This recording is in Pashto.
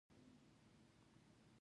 علي په نوک پسې سوک ځایوي.